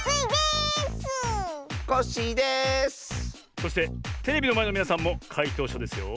そしてテレビのまえのみなさんもかいとうしゃですよ。